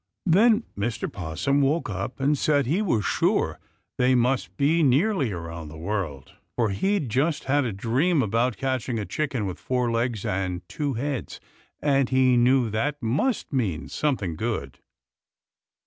Then Mr. 'Possum woke up and said he was sure they must be nearly around the world, for he'd just had a dream about catching a chicken with four legs and two heads, and he knew that must mean something good.